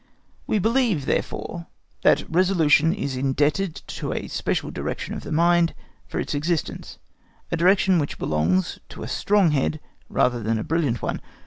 We believe, therefore, that resolution is indebted to a special direction of the mind for its existence, a direction which belongs to a strong head rather than to a brilliant one.